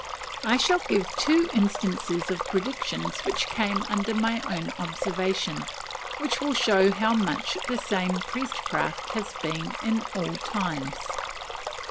I shall give two instances of predictions which came under my own observation, and which will show how much the same priestcraft has been in all times.